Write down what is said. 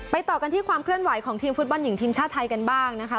ต่อกันที่ความเคลื่อนไหวของทีมฟุตบอลหญิงทีมชาติไทยกันบ้างนะคะ